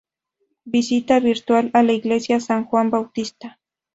Visita virtual a la Iglesia San Juan Bautista